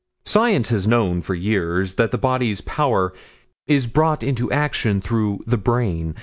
Science has known for years that the body's power is brought into action through the brain.